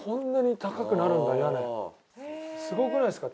すごくないですか？